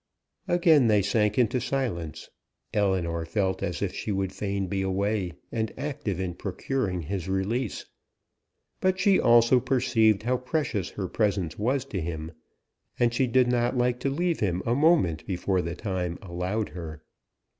Again they sank into silence. Ellinor felt as if she would fain be away and active in procuring his release; but she also perceived how precious her presence was to him; and she did not like to leave him a moment before the time allowed her.